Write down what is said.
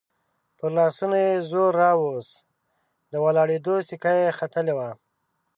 پر لاسونو يې زور راووست، د ولاړېدو سېکه يې ختلې وه.